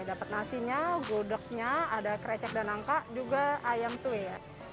dapat nasinya gudegnya ada krecek dan angka juga ayam tuh ya